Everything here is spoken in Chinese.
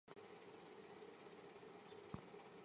新加坡总统奖学金是新加坡最高荣誉的学术奖学金。